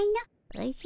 おじゃ。